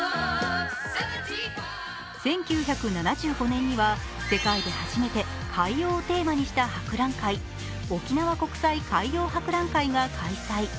１９７５年には世界で初めて海洋をテーマにした博覧会、沖縄国際海洋博覧会が開催。